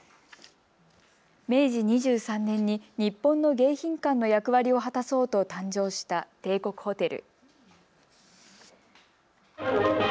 明治２３年に日本の迎賓館の役割を果たそうと誕生した帝国ホテル。